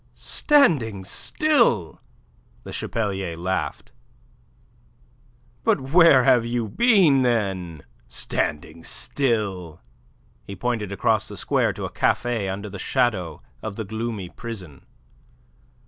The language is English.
"Standing still!" Le Chapelier laughed. "But where have you been, then? Standing still!" He pointed across the square to a café under the shadow of the gloomy prison.